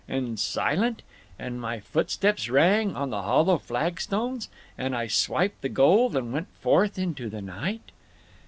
And silent? And my footsteps rang on the hollow flagstones? And I swiped the gold and went forth into the night?"